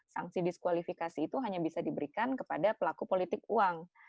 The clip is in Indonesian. sanksi diskualifikasi itu hanya bisa diberikan kepada pelaku politik uang